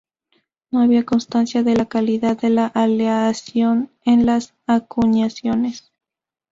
No había constancia de la calidad de la aleación en las acuñaciones.